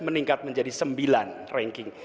meningkat menjadi sembilan ranking